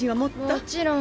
もちろん。